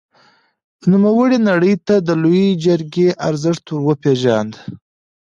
نوموړي نړۍ ته د لويې جرګې ارزښت ور وپېژاند.